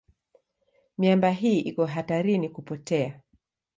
Miamba hii iko hatarini kupotea.